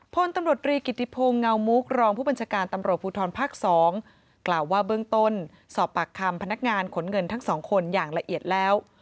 พลตำรวจรีกิติพงศ์เงามุกรองผู้บัญชาการตำรวจภูทรภาค๒กล่าวว่าเบื้องต้นสอบปากคำพนักงานขนเงินทั้งสองคนอย่างละเอียดแล้ว